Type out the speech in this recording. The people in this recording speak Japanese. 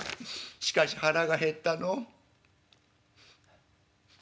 しかし腹が減ったのう」。